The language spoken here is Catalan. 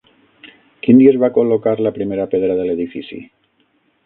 Quin dia es va col·locar la primera pedra de l'edifici?